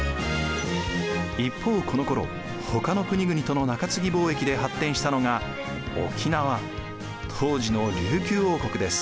一方このころほかの国々との中継貿易で発展したのが沖縄当時の琉球王国です。